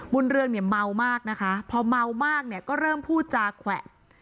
เรื่องเนี่ยเมามากนะคะพอเมามากเนี่ยก็เริ่มพูดจาแขวะ